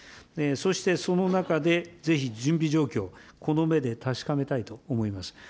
そしてその中でぜひ準備状況、この目で確かめたいと思います。